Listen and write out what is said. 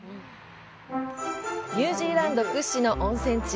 ニュージーランド屈指の温泉地